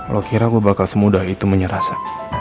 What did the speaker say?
lo kira gue bakal semudah itu menyerah sa